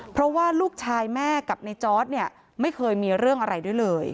เพราะว่าลูกชายแม่กับในจอร์ดเนี่ยไม่เคยมีเรื่องอะไรด้วยเลย